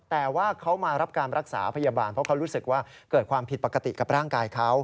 แต่ว่าเขามารับการรักษาพยาบาลเพราะเขารู้สึกว่าเกิดความผิดปกติกับร่างกายเขา